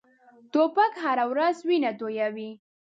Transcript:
توپک هره ورځ وینه تویوي.